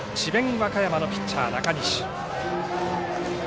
和歌山のピッチャー中西。